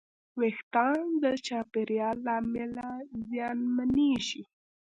وېښتيان د چاپېریال له امله زیانمنېږي.